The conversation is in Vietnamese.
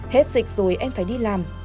hết dịch rồi em phải đi làm